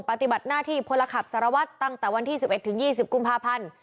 ปฏิบัติหน้าที่พลขับสารวัตรตั้งแต่วันที่๑๑ถึง๒๐กุมภาพันธ์